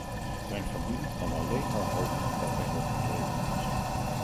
Zijn familie kan alleen maar hopen dat hij nog in leven is.